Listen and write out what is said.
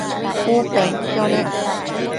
U penquio nec